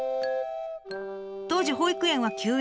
当時保育園は休園。